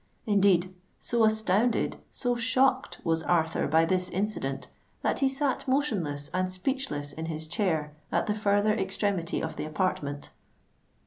Indeed, so astounded—so shocked was Arthur by this incident, that he sate motionless and speechless in his chair at the further extremity of the apartment.